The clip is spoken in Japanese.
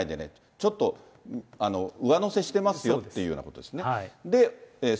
ちょっと上乗せしてますよというようなことですよね。